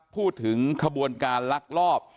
พูดถึงขบวนการลักลอบ